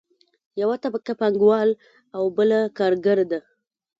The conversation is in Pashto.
یوه طبقه پانګوال او بله کارګره ده.